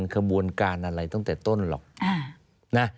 ขบวนการอะไรตั้งแต่ต้นหรอกนะ